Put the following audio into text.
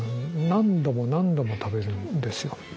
何度も何度も食べるんですよ。